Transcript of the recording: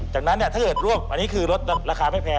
จากนั้นถ้าเกิดรวบอันนี้คือรถราคาไม่แพง